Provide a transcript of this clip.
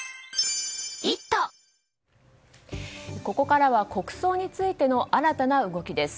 ここからは国葬についての新たな動きです。